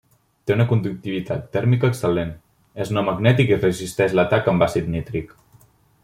Té una conductivitat tèrmica excel·lent, és no magnètic i resisteix l'atac amb àcid nítric.